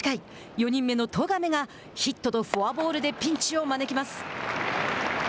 ４人目の十亀がヒットとフォアボールでピンチを招きます。